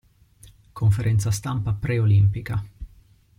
Conferenza stampa preolimpica.